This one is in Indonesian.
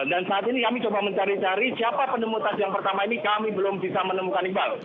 dan saat ini kami mencari cari siapa penemu tas yang pertama ini kami belum bisa menemukan iba